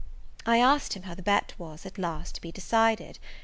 I asked him how the bet was, at last, to be decided?